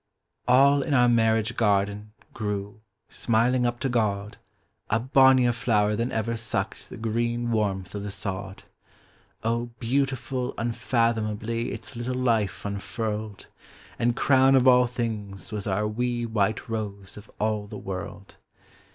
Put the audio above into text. All iu our marriage garden Grew, smiling up to God, A bonnier tlower than ever Suckt the green warmth of the sod; O, beautiful uufathomably Its little life unfurled; And crown of all things was our wee White Kose of all the world.